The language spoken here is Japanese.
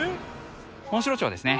モンシロチョウですね。